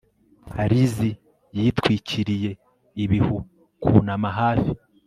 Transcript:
Lizzie yitwikiriye ibihuKwunama hafi